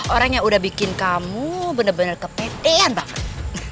orang yang udah bikin kamu bener bener kepetean banget